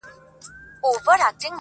• هغو زموږ په مټو یووړ تر منزله..